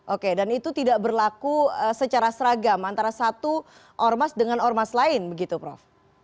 oke dan itu tidak berlaku secara seragam antara satu ormas dengan ormas lain begitu prof